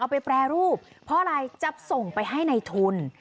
ไปแปรรูปเพราะอะไรจะส่งไปให้ในทุน